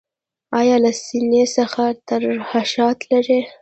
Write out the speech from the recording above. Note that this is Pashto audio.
ایا له سینې څخه ترشحات لرئ؟